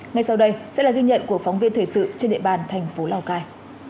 ngay sau đây sẽ là ghi nhận của phóng viên thời sự trên địa bàn thành phố lào cai